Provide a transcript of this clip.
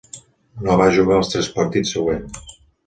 No va jugar als tres partits següents.